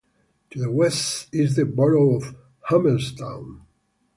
To the west is the borough of Hummelstown.